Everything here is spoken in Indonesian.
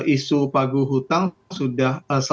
isu pagu hutang sudah selesai